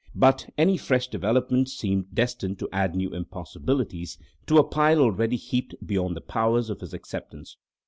But any fresh development seemed destined to add new impossibilities to a pile already heaped beyond the powers of his acceptance.